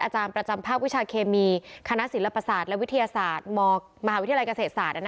อาจารย์ประจำภาควิชาเคมีคณะศิลปศาสตร์และวิทยาศาสตร์มหาวิทยาลัยเกษตรศาสตร์